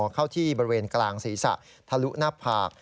เข้าที่บริเวณกลางศีรษะทะลุหน้าผาก